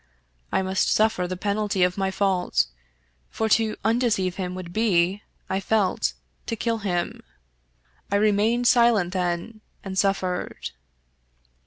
I must suflFer the penalty of my fault, for to un deceive him would be, I felt, to kill him. I remained silent then, and suffered.